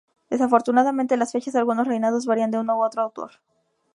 Desafortunadamente las fechas de algunos reinados varían de uno a otro autor.